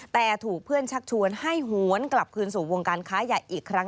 แต่ถูกเพื่อนชักชวนให้หวนกลับคืนสู่วงการค้าใหญ่อีกครั้ง